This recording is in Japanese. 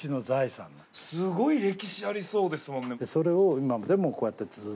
すごい歴史ありそうですもんね。